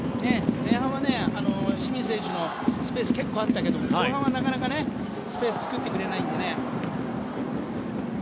前半は清水選手のスペース結構あったけど後半はなかなかスペースを作ってくれないのでね。